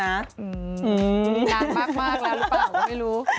นานมากแล้วหรือเปล่าก็ไม่รู้